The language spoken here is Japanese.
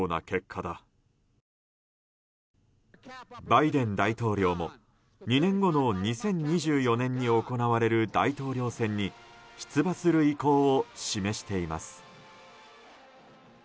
バイデン大統領も、２年後の２０２４年に行われる大統領選に出馬する意向を示しています。